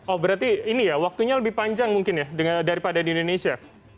oh berarti ini ya waktunya lebih panjang mungkin ya daripada di indonesia